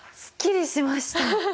すっきりしました！